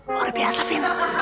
luar biasa vin